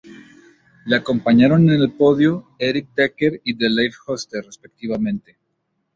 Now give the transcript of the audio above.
Le acompañaron en el podio Erik Dekker y de Leif Hoste, respectivamente.